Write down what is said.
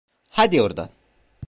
Hadi oradan!